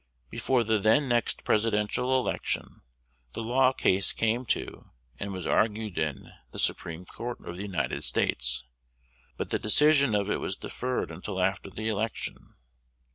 Before the then next Presidential election, the law case came to, and was argued in, the Supreme Court of the United States; but the decision of it was deferred until after the election.